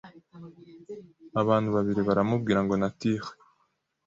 abantu babiri baramubwira ngo nature